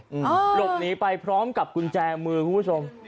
หลบหนีไปพร้อมกับกุญแจมือคุณผู้ชม